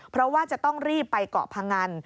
เพราะว่าจะต้องรีบไปเกาะพงัน